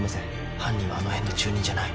犯人は前の住人じゃない。